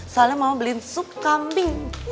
soalnya mau beliin sup kambing